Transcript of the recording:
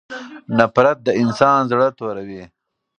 نفرت د انسان زړه توروي.